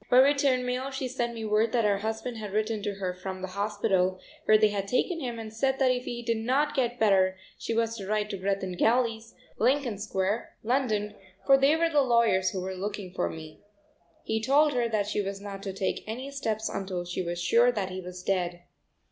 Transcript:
By return mail she sent me word that her husband had written to her from the hospital, where they had taken him, and said that if he did not get better she was to write to Greth and Galley's, Lincoln Square, London, for they were the lawyers who were looking for me. He told her that she was not to take any steps until she was sure that he was dead.